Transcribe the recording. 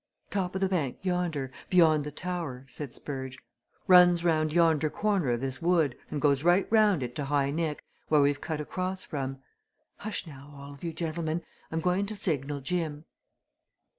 "Top o' the bank yonder beyond the tower," said Spurge. "Runs round yonder corner o' this wood and goes right round it to High Nick, where we've cut across from. Hush now, all of you, gentlemen I'm going to signal Jim."